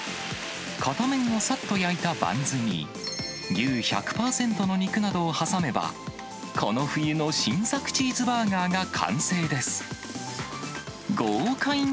片面をさっと焼いたバンズに、牛１００％の肉などを挟めば、この冬の新作チーズバーガーが完成です。